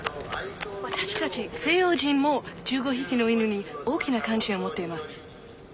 わたしたち西洋人も１５匹の犬に大きな関心を持っています